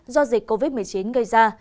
do dịch covid một mươi chín gây ra